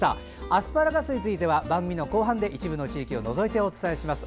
アスパラガスについては番組後半で一部の地域を除いてお伝えします。